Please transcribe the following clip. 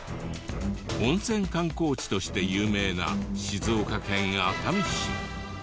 温泉観光地として有名な静岡県熱海市。